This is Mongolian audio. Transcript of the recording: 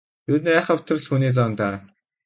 Ер нь айхавтар л хүний зан даа.